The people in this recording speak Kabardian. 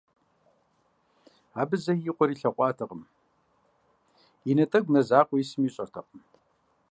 Абы зэи и къуэр илъэгъуатэкъым, и натӏэгу нэ закъуэ исми ищӏэртэкъым.